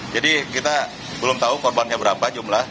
jadi kita belum tahu korbannya berapa jumlah